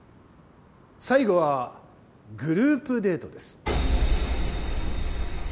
最後はグループデートです。